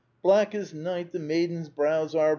Black as night the maiden's brows are.